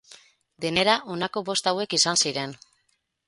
Denera honako bost hauek izan ziren.